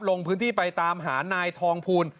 ลงพื้นที่ไปตามหานายทองภูล